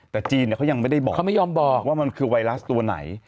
แต่จีนเขายังไม่ได้บอกเขาไม่ยอมบอกว่ามันคือไวรัสตัวไหน